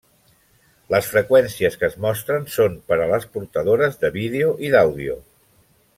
Les freqüències que es mostren són per a les portadores de vídeo i d'àudio.